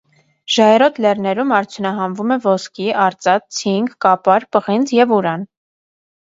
Ժայռոտ լեռներում արդյունահանվում է ոսկի, արծաթ, ցինկ, կապար, պղինձ և ուրան։